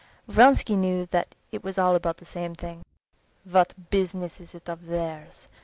Vronsky knew that it was all about the same thing. "What business is it of theirs!"